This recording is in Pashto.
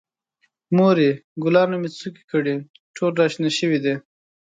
مورې، ګلانو مې څوکې کړي، ټول را شنه شوي دي.